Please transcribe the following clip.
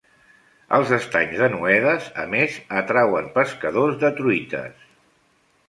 Els Estanys de Noedes, a més, atrauen pescadors de truites.